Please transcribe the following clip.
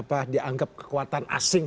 apa dianggap kekuatan asing